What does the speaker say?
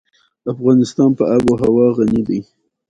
افغانستان په آب وهوا غني دی.